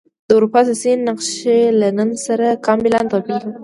د اروپا سیاسي نقشې له نن سره کاملا توپیر درلود.